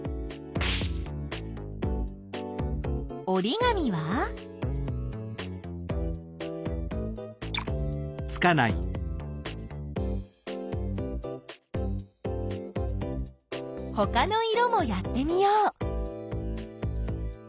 おりがみは？ほかの色もやってみよう。